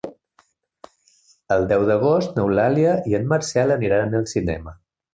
El deu d'agost n'Eulàlia i en Marcel aniran al cinema.